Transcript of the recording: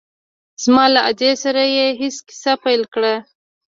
زما له ادې سره يې هسې کيسه پيل کړه.